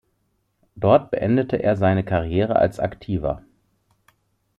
Dort beendete er seine Karriere als Aktiver.